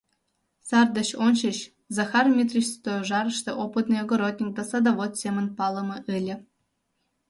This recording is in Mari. Сар деч ончыч Захар Митрич Стожарыште опытный огородник да садовод семын палыме ыле.